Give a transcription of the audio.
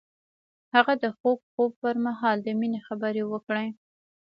هغه د خوږ خوب پر مهال د مینې خبرې وکړې.